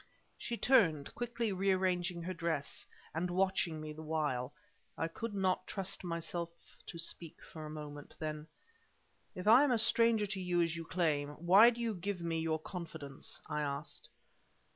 She turned, quickly rearranging her dress, and watching me the while. I could not trust myself to speak for a moment, then: "If I am a stranger to you, as you claim, why do you give me your confidence?" I asked.